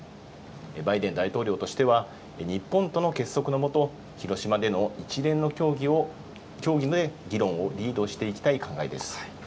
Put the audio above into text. バイデン大統領としては日本との結束の下、広島での一連の協議で議論をリードしていきたい考えです。